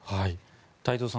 太蔵さん